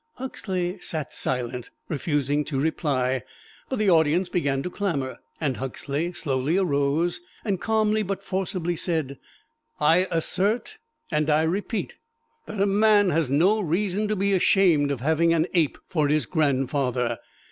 Huxley sat silent, refusing to reply, but the audience began to clamor, and Huxley slowly arose, and calmly but forcibly said: "I assert, and I repeat, that a man has no reason to be ashamed of having an ape for his grandfather.